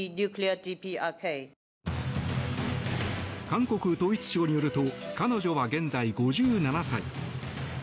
韓国統一省によると彼女は現在５７歳。